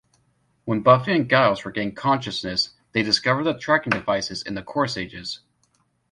When Buffy and Giles regain consciousness, they discover the tracking devices in the corsages.